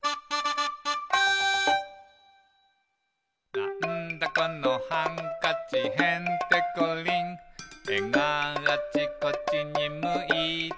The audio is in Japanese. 「なんだこのハンカチへんてこりん」「えがあちこちにむいている」